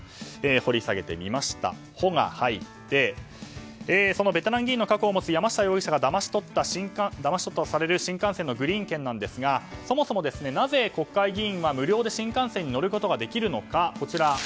掘り下げてみましたの「ホ」が入ってそのベテラン議員の過去を持つ山下容疑者がだまし取ったとされる新幹線のグリーン券ですがそもそもなぜ国会議員は新幹線に無料で乗れるのか。